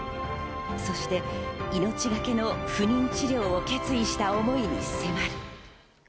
そして命がけの不妊治療を決意した思いに迫る。